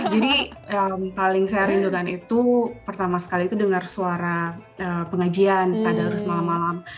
jadi yang paling saya rindukan itu pertama sekali itu dengar suara pengajian pada harus malam malam